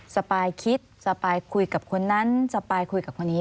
สปายคิดสปายคุยกับคนนั้นสปายคุยกับคนนี้